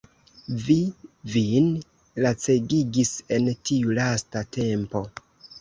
Vi vin lacegigis en tiu lasta tempo.